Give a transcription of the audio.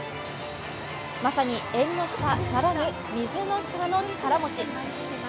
まさに縁の下ならぬ水の下の力持ち。